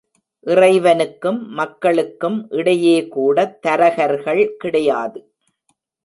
இறைவனுக்கும் மக்களுக்கும் இடையே கூடத் தரகர்கள் கிடையாது.